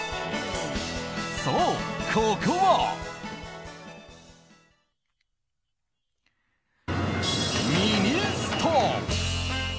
そう、ここはミニストップ。